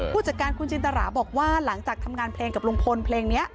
ผู้จัดการคุณจินตราบอกว่าหลังจากทำงานเพลงกับลุงพลเพลงนี้